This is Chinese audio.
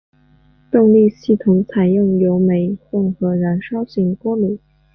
动力系统采用油煤混合燃烧型锅炉。